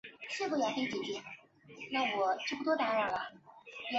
祖父刘体仁。